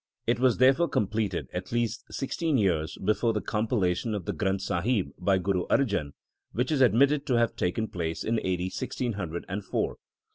It was therefore completed at least sixteen years before the compilation of the Granth Sahib by Guru Arjan, which is admitted to have taken place in A.D. 1604.